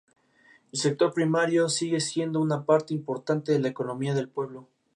El sector primario sigue siendo una parte importante de la economía del pueblo.